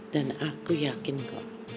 dan aku yakin kok